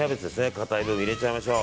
硬い部分入れちゃいましょう。